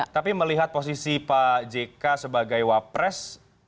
tapi melihat posisi pak jk sebagai wak pres